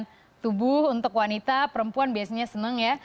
mau perawatan tubuh untuk wanita perempuan biasanya senang ya